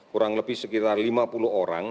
kurang lebih sekitar lima puluh orang